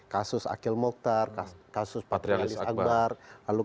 kasus akil mokhtar kasus patrialis akbar kemudian kasus ini dan segala macamnya